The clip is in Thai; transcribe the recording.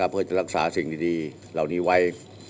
เพื่อจะรักษาสิ่งดีเหล่านี้ไว้